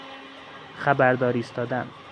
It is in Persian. خبردار ایستادن